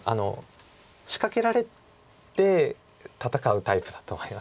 仕掛けられて戦うタイプだと思います。